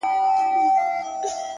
د شپې د راج معراج کي د سندرو ننداره ده!